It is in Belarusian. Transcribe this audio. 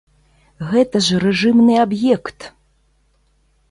Гэта ж рэжымны аб'ект!